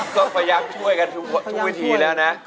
ก็พยายามช่วยกันทุกวิธีแล้วนะ